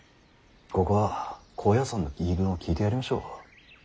ここは高野山の言い分を聞いてやりましょう。